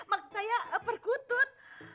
eh maksud saya perkutut